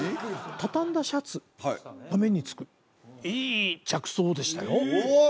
畳んだシャツが目に付くいい着想でしたよおお！